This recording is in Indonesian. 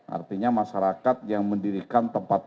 artinya masyarakat yang mendirikan tempat